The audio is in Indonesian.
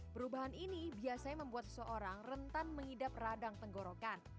perubahan ini biasanya membuat seseorang rentan mengidap radang tenggorokan